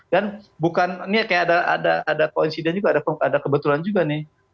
dan bukan ini kayak ada koinsiden juga ada kebetulan juga nih